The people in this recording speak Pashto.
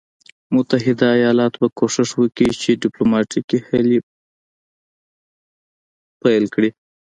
متحده ایالات به کوښښ وکړي چې ډیپلوماټیکي هلې پیل کړي.